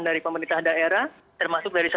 dari pemerintah daerah termasuk dari